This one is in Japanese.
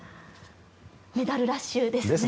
メダルラッシュですね。